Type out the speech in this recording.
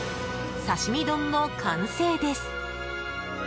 刺身丼の完成です。